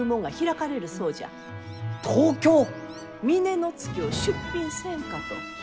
峰乃月を出品せんかと。